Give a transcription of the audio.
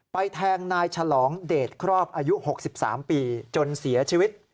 แทงนายฉลองเดชครอบอายุ๖๓ปีจนเสียชีวิต